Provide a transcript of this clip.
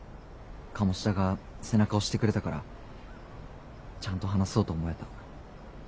鴨志田が背中押してくれたからちゃんと話そうと思えた。